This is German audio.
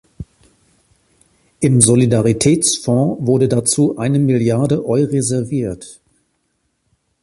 Im Solidaritätsfonds wurde dazu eine Milliarde Eureserviert.